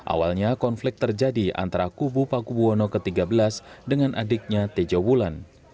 awalnya konflik terjadi antara kubu paku buwono ke tiga belas dengan adiknya tejo wulan